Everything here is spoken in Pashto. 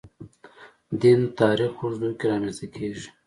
دین تاریخ اوږدو کې رامنځته کېږي.